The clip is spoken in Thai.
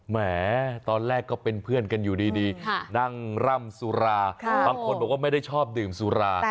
แหมตอนแรกก็เป็นเพื่อนกันอยู่ดีนั่งร่ำสุราบางคนบอกว่าไม่ได้ชอบดื่มสุรา